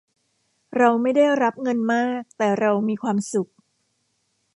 เราไม่ได้รับเงินมาก แต่เรามีความสุข